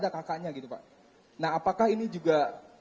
kakaknya gitu pak nah apakah ini juga